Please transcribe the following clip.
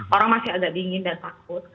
orang masih agak dingin dan takut